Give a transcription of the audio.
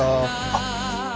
あっ。